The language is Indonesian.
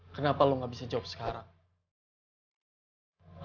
kenapa lo gak bisa jawab sekarang